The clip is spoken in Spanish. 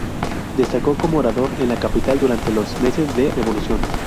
Destacó como orador en la capital durante los meses de revolución.